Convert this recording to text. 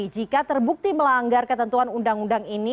jadi jika terbukti melanggar ketentuan undang undang ini